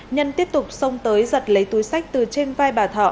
nhân tiếp tục xông tới giật lấy túi sách từ trên vai bà thọ